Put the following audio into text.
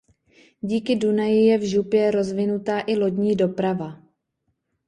Díky Dunaji je v župě rozvinutá i lodní doprava.